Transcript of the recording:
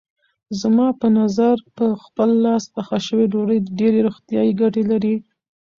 زما په نظر په خپل لاس پخه شوې ډوډۍ ډېرې روغتیايي ګټې لري.